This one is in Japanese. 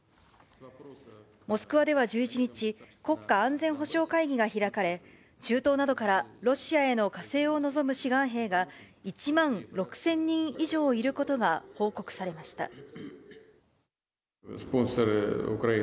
モスクワでは１１日、国家安全保障会議が開かれ、中東などからロシアへの加勢を望む志願兵が１万６０００人以上いることが報告されました。